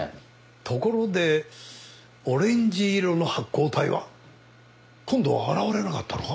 ところでオレンジ色の発光体は？今度は現れなかったのか？